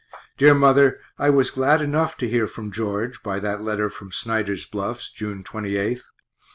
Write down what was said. Dear mother, I was glad enough to hear from George, by that letter from Snyder's Bluffs, June 28th.